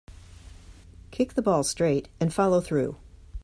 Kick the ball straight and follow through.